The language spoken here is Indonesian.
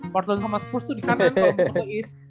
portland sama spurs tuh di kanan kalo masuk ke east